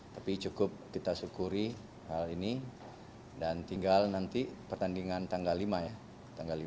tapi cukup kita syukuri hal ini dan tinggal nanti pertandingan tanggal lima ya tanggal lima